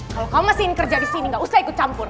kalau kamu masih kerja di sini gak usah ikut campur